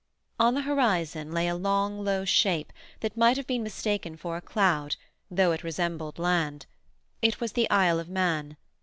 On the horizon lay a long, low shape that might have been mistaken for cloud, though it resembled land. It was the Isle of Man.